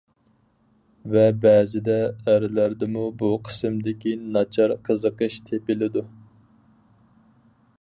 ۋە بەزىدە ئەرلەردىمۇ بۇ قىسىمدىكى ناچار قىزىقىش تېپىلىدۇ.